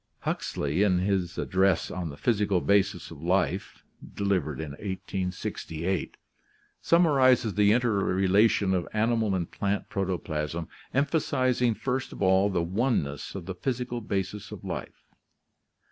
Huxley in his address on the physical basis of life, delivered in 1868, summarizes the interrelation of animal and plant protoplasm, emphasizing first of all the oneness of the physical basis of life.